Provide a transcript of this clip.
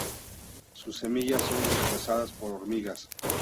Sus semillas son dispersadas por hormigas.